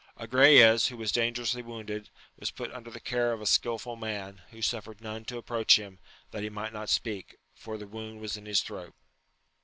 Agrayes, who was dangerously wounded, was put under the care of a skilful man, who suffered none to approach him, that he might not speak, for the wound was in his throat.